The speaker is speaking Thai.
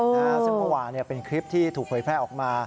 ซึ่งเมื่อวานเป็นคลิปที่ถูกเผยแพร่ออกมา